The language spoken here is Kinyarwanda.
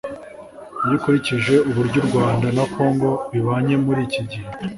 Iyo ukurikije uburyo u Rwanda na Kongo bibanye muri iki gihe